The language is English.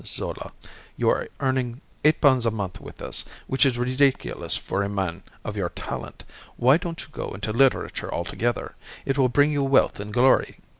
Zola, you are earning eight pounds a month with us, which is ridiculous for a man of your talent. Why don't you go into literature altogether? It will bring you wealth and glory."